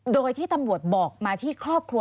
โดยที่ตำรวจบอกมาที่ครอบครัว